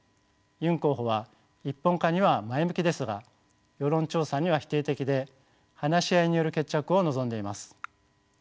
ユン候補は一本化には前向きですが世論調査には否定的で話し合いによる決着を望んでいます。